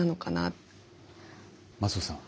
松尾さん。